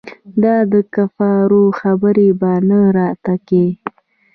دا دکفارو خبرې به نه راته کيې.